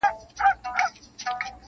o هر څه هماغسې مبهم پاتې کيږي,